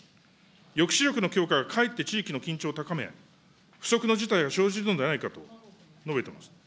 抑止力の強化がかえって地域の緊張を高め、不測の事態を生じるのではないかと述べてます。